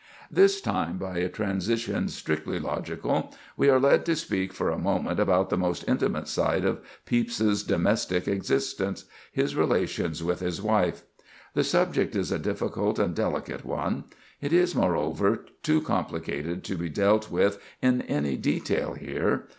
This time, by a transition strictly logical, we are led to speak for a moment about the most intimate side of Pepys's domestic existence—his relations with his wife. The subject is a difficult and delicate one; it is, moreover, too complicated to be dealt with in any detail here.